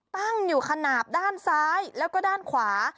ตั้งอยู่ขนาดด้านซ้ายแล้วก็ด้านขวา